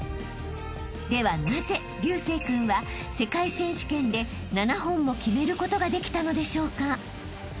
［ではなぜ隆成君は世界選手権で７本も決めることができたのでしょうか］